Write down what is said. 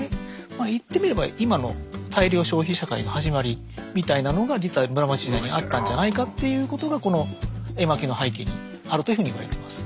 まあ言ってみれば今の大量消費社会の始まりみたいなのが実は室町時代にあったんじゃないかっていうことがこの絵巻の背景にあるというふうに言われています。